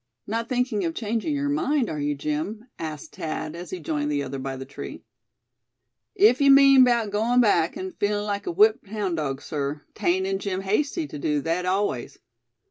"Not thinking of changing your mind, are you Jim?" asked Thad, as he joined the other by the tree. "If yuh mean 'bout goin' back, an' feelin' like a whipped houn' dog, sir, 'taint in Jim Hasty tuh do thet aways.